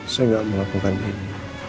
saya nggak melakukan ini